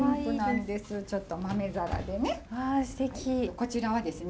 こちらはですね